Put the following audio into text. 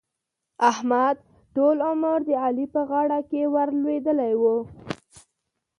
احمد؛ ټول عمر د علي په غاړه کې ور لوېدلی وو.